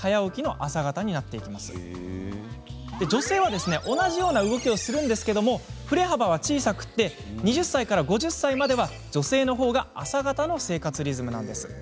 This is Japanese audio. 一方の女性は同じような動きをしますが振れ幅は小さく２０歳から５０歳までは女性のほうが朝型の生活リズムなんです。